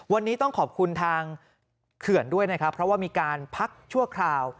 วันนี้ต้องขอบคุณทางเขื่อนด้วยนะครับเพราะว่ามีการพักชั่วคราว